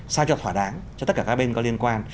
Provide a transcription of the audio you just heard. sao cho thỏa đáng cho tất cả các bên có liên quan